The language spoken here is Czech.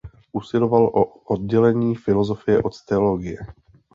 Usiloval o oddělení filosofie od teologie.